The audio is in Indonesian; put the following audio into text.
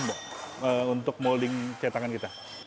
dua ratus lebih mbak untuk molding cetakan kita